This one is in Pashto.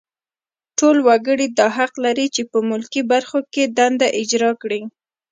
ټول وګړي دا حق لري چې په ملکي برخو کې دنده اجرا کړي.